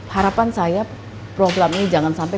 harapan saya program ini jangan sampai